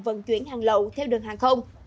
vận chuyển hàng lậu theo đường hàng không